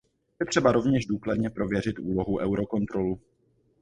Je třeba rovněž důkladně prověřit úlohu Eurocontrolu.